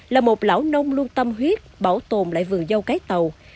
là một lão nông luôn tâm huyết bảo tồn lại vườn dâu cái tàu